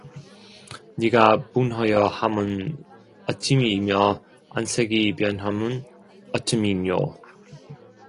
네가 분하여 함은 어찜이며 안색이 변함은 어찜이뇨